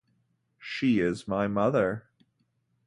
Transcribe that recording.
She is my mother.